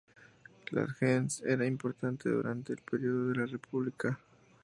La "gens" era importante durante el periodo de la República.